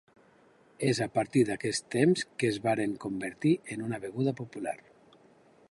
És a partir d'aquests temps que es varen convertir en una beguda popular.